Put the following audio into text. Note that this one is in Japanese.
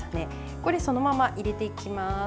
これをそのまま入れていきます。